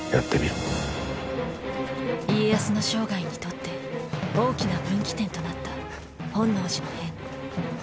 家康の生涯にとって大きな分岐点となった本能寺の変。